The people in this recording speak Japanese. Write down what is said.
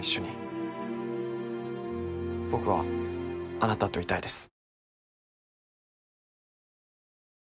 僕はあなたといたいです。